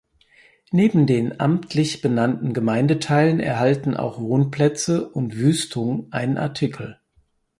Neben den amtlich benannten Gemeindeteilen erhalten auch Wohnplätze und Wüstungen einen Artikel.